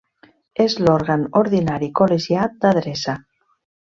És l'òrgan ordinari col·legiat d'adreça.